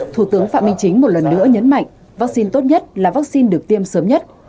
thủ tướng phạm minh chính một lần nữa nhấn mạnh vaccine tốt nhất là vaccine được tiêm sớm nhất